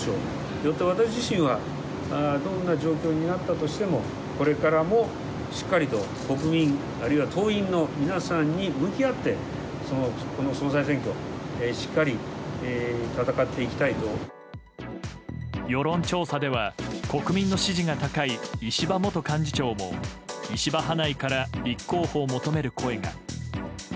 よって私自身は、どんな状況になったとしても、これからもしっかりと国民、あるいは党員の皆さんに向き合って、この総裁選挙、世論調査では、国民の支持が高い石破元幹事長も、石破派内から立候補を求める声が。